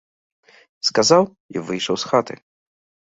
Сказаў і выйшаў з хаты.